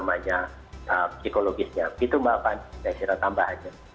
itu mbak fadz saya kira tambahannya